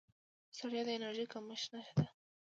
ستړیا د انرژۍ کمښت نښه ده